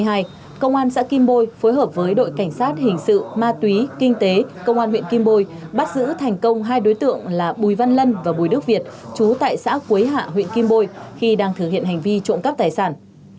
công an xã kim bôi phối hợp với đội cảnh sát hình sự ma túy kinh tế công an huyện kim bôi bắt giữ thành công hai đối tượng là bùi văn lân và bùi đức việt chú tại xã quế hạ huyện kim bôi khi đang thực hiện hành vi trộm cắp tài sản